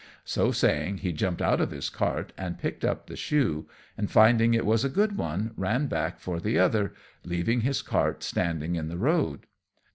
So saying, he jumped out of his cart and picked up the shoe, and, finding it was a good one, ran back for the other, leaving his cart standing in the road.